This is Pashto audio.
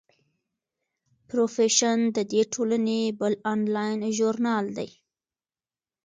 پروفیشن د دې ټولنې بل انلاین ژورنال دی.